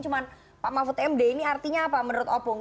cuma pak mahfud md ini artinya apa menurut opung